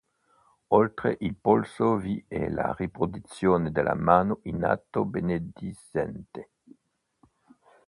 Oltre il polso vi è la riproduzione della mano in atto benedicente.